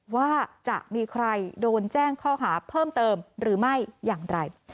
ว่าจะมีใครโดนแจ้งข้อหาเพิ่มเติมหรือไม่อย่างไร